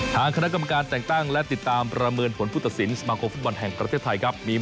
ทางคณะกรรมการแต่งตั้งและติดตามประเมินผลผู้ตัดสินสมาคมฟุตบอลแห่งประเทศไทยครับ